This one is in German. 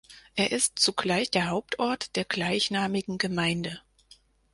Er ist zugleich der Hauptort der gleichnamigen Gemeinde.